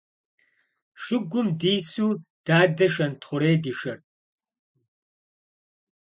Шыгум дису дадэ Шэнтхъурей дишэрт.